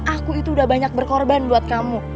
aku itu udah banyak berkorban buat kamu